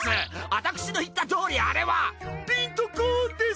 私の言ったとおりあれはピントコーンです！